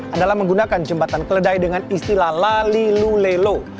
adalah menggunakan jembatan keledai dengan istilah la li lu le lo